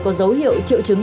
có dấu hiệu triệu chứng